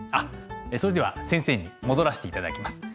それでは先生に戻らせていただきます。